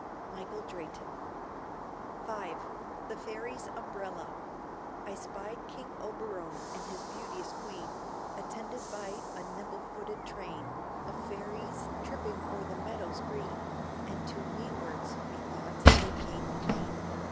Michael Drayton V THE FAIRIES' UMBRELLA I spied King Oberon and his beauteous Queen Attended by a nimble footed train Of Fairies tripping o'er the meadow's green, And to mewards (methought) they came amain.